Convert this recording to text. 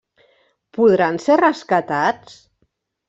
Podran ser rescatats?